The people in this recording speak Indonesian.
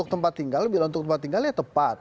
kalau untuk tempat tinggal ya tepat